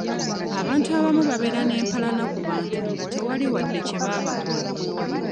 Abantu abamu babeera n'empalana ku bantu nga tewali wadde kye baabakola.